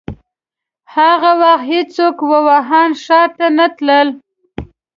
هغه وخت هيڅوک ووهان ښار ته نه تلل.